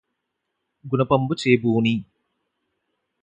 గునపంబు చేబూని